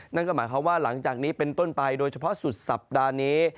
นั่นก็หมายความว่าหลังจากนี้เป็นต้นไปโดยเฉพาะสุดสัปดาห์นี้